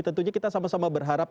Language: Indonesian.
tentunya kita sama sama berharap